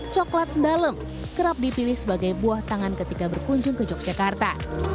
coklat dalem kerap dipilih sebagai buah tangan ketika berkunjung ke yogyakarta